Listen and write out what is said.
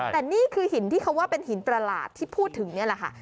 แต่นี่คือหินที่เขาว่าเป็นหินประหลาดที่พูดถึงนี่แหละค่ะ